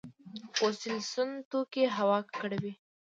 فوسیل سون توکي هوا ککړوي